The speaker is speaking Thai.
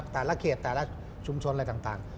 แต่ละเขตแต่ละชุมชนอะไรต่าง